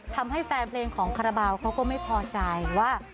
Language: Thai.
ทำให้แฟนเพลงของคาราบาลเขาก็ไม่พอใจว่า